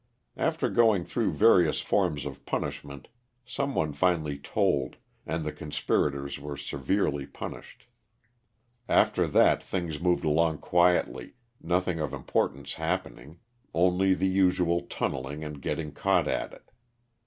After going through various forms of pun ishment some one finally told, and the conspirators were severely punished. After that things moved along quietly, nothing of importance happening, only the usual tunneling and getting caught at it.